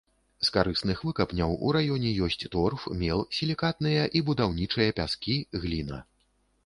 З карысных выкапняў у раёне ёсць торф, мел, сілікатныя і будаўнічыя пяскі, гліна.